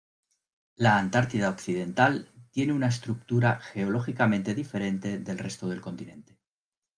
La Antártida Occidental tiene una estructura geológicamente diferente del resto del continente.